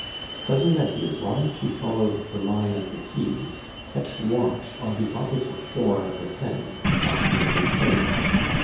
Cousin Betty, as long as she followed the line of the quays, kept watch on the opposite shore of the Seine, walking very slowly.